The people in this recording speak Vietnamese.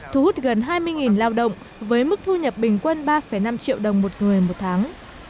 thu hút gần hai mươi lao động với mức thu nhập bình quân ba năm triệu đồng một người một tháng